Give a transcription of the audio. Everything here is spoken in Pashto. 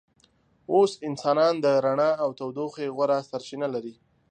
اوس انسانان د رڼا او تودوخې غوره سرچینه لري.